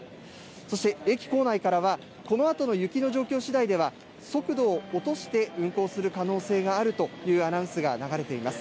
そして駅構内からはこのあとの雪の状況しだいでは速度を落として運行する可能性があるというアナウンスが流れています。